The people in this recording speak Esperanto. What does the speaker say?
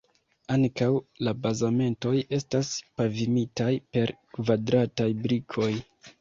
Ankau la bazamentoj estas pavimitaj per kvadrataj brikoj.